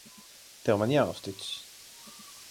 Tev man jāuzticas.